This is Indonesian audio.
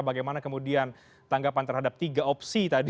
bagaimana kemudian tanggapan terhadap tiga opsi tadi